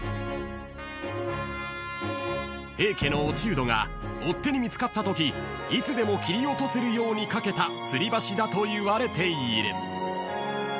［平家の落人が追っ手に見つかったときいつでも切り落とせるように架けたつり橋だといわれている］